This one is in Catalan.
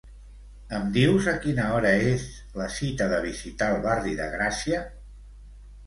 Em dius a quina hora és la cita de visitar el barri de Gràcia?